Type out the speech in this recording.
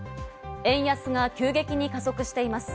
円安が急激に加速しています。